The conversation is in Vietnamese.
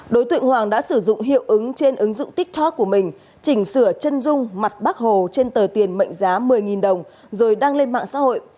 đối tượng hoàng đã sử dụng hiệu ứng trên ứng dụng tiktok của mình chỉnh sửa chân dung mặt bác hồ trên tờ tiền mệnh giá một mươi đồng rồi đăng lên mạng xã hội